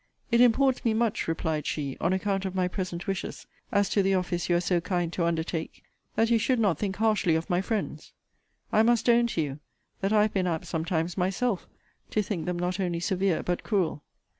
It imports me much, replied she, on account of my present wishes, as to the office you are so kind to undertake, that you should not think harshly of my friends. I must own to you, that I have been apt sometimes myself to think them not only severe but cruel.